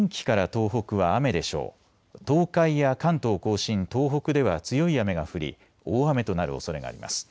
東海や関東甲信、東北では強い雨が降り大雨となるおそれがあります。